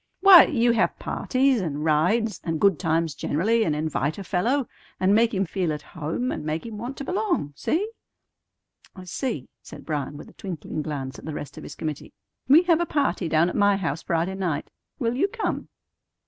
"Why, you have parties, and rides, and good times generally, and invite a fellow, and make him feel at home, and make him want to belong. See?" "I see," said Bryan, with a twinkling glance at the rest of his committee. "We have a party down at my house Friday night. Will you come?"